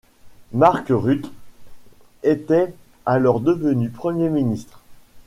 Mark Rutte était alors devenu Premier ministre.